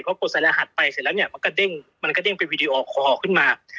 เพราะกดสายแล้วหัดไปเสร็จแล้วเนี่ยมันก็เด้งเป็นวิดีโอคอลขึ้นมา